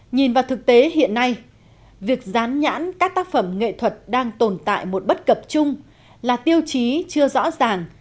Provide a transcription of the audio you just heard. nhìn vào thực tế hiện nay việc dán nhãn các tác phẩm nghệ thuật đang tồn tại một bất cập chung là tiêu chí chưa rõ ràng